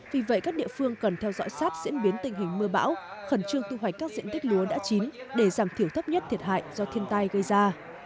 vì vậy các địa phương cần theo dõi sát diễn biến tình hình mưa bão khẩn trương thu hoạch các diện tích lúa đã chín để giảm thiểu thấp nhất thiệt hại do thiên tai gây ra